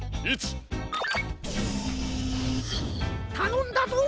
たのんだぞ。